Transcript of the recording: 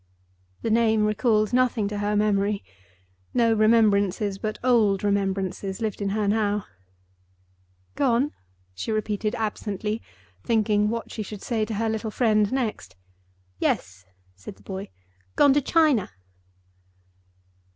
The name recalled nothing to her memory. No remembrances but old remembrances lived in her now. "Gone?" she repeated absently, thinking what she should say to her little friend next. "Yes," said the boy. "Gone to China."